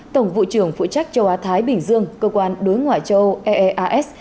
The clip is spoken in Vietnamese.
tổng vụ trưởng phụ trách châu á thái bình dương cơ quan đối ngoại châu âu eeas